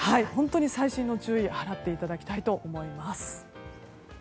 細心の注意を払っていただきたいと思います。